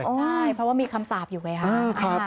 ใช่เพราะว่ามีคำสาปอยู่ไงค่ะ